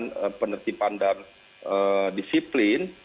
terus tegakkan penertiban dan disiplin